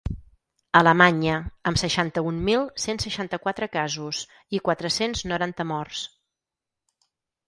Alemanya, amb seixanta-un mil cent seixanta-quatre casos i quatre-cents noranta morts.